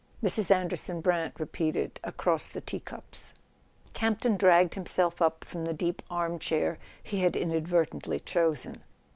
Mrs. Anderson Brant re¬ peated across the teacups. Campton dragged himself up from the deep arm¬ chair he had inadvertently chosen.